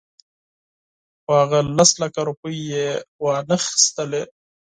خو هغه لس لکه روپۍ یې وانخیستلې.